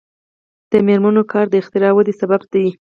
د میرمنو کار د اختراع ودې سبب دی.